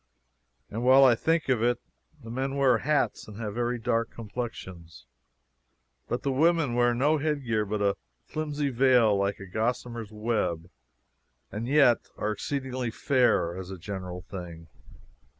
And while I think of it the men wear hats and have very dark complexions, but the women wear no headgear but a flimsy veil like a gossamer's web, and yet are exceedingly fair as a general thing.